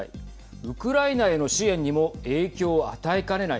ウクライナへの支援にも影響を与えかねない